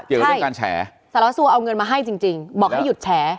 เจอต้องการแฉสารวัตรสูรเอาเงินมาให้จริงบอกให้หยุดแฉ